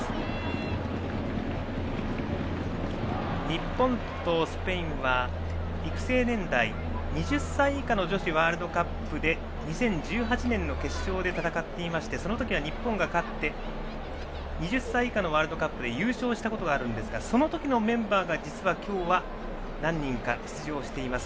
日本とスペインは育成年代２０歳以下の女子ワールドカップで２０１８年の決勝で戦っていましてその時は日本が勝って２０歳以下のワールドカップで優勝したことがあるんですがその時のメンバーが実は今日は何人か出場しています。